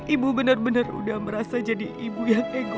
ibu benar benar udah merasa jadi ibu yang ego